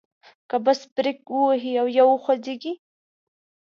که بس بریک ووهي او یا وخوځیږي.